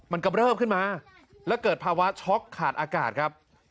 มันกำเริ่มขึ้นมาแล้วเกิดภาวะช็อกขาดอากาศครับ